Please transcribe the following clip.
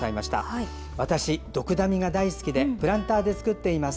私、ドクダミが大好きでプランターで作っています。